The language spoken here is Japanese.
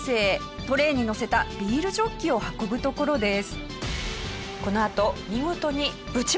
トレーにのせたビールジョッキを運ぶところです。